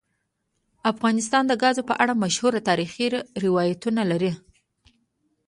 افغانستان د ګاز په اړه مشهور تاریخی روایتونه لري.